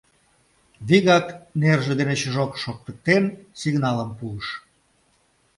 Вигак, нерже дене чжок шоктыктен, сигналым пуыш: